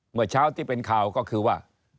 เมื่อเช้าที่เป็นข่าวก็คือว่า